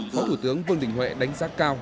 phó thủ tướng vương đình huệ đánh giá cao